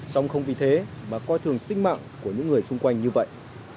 xong không vì thế mà coi thường sinh mạng của những người xung quanh như vậy